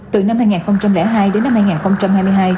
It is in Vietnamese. từ năm hai nghìn hai đến năm hai nghìn hai mươi hai